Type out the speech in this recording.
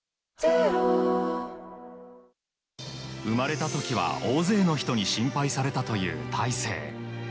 生まれた時は大勢の人に心配されたという大勢。